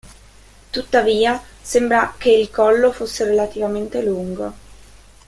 Tuttavia, sembra che il collo fosse relativamente lungo.